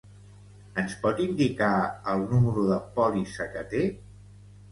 Ens pot indicar el número de pòlissa que té?